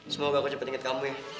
semoga aku cepet inget kamu ya